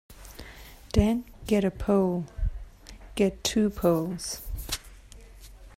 Then get a pole; get two poles.